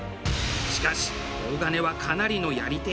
しかし大金はかなりのやり手。